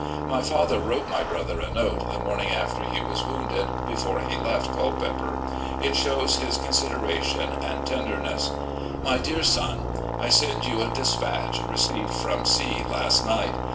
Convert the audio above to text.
My father wrote my brother a note the morning after he was wounded, before he left Culpeper. It shows his con sideration and tenderness: "My Dear Son: I send you a despatch, received from C. last night.